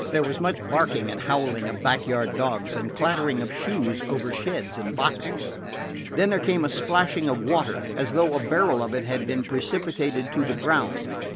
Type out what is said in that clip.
There was much barking and howling of back yard dogs and clattering of shoes over sheds and boxes. Then there came a splashing of water, as though a barrel of it had been precipitated to the ground.